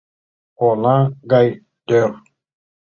Оҥа гай тӧр.